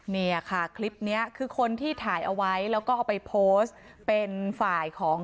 เนี่ยค่ะคลิปนี้คือคนที่ถ่ายเอาไว้แล้วก็เอาไปโพสต์เป็นฝ่ายของ